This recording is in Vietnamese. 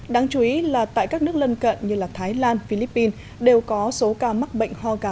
đáng chú ý là tại các nước lân cận như thái lan philippines đều có số ca mắc bệnh ho gà